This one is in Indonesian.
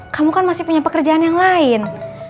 kamu kan masih punya pekerjaan yang lain